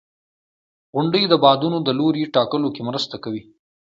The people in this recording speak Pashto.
• غونډۍ د بادونو د لوري ټاکلو کې مرسته کوي.